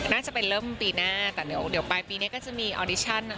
น่าจะเป็นเริ่มปีหน้าแต่เดี๋ยวปลายปีนี้ก็จะมีออดิชั่นนะคะ